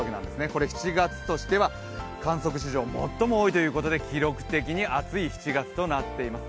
これ、７月としては観測史上最も多いということで記録的に暑い７月となっています。